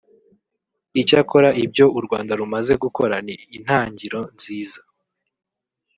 Icyakora ibyo u Rwanda rumaze gukora ni intangiro nziza